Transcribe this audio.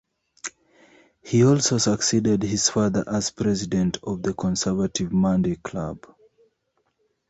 He also succeeded his father as President of the Conservative Monday Club.